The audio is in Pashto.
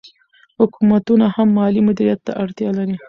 حکومتونه هم مالي مدیریت ته اړتیا لري.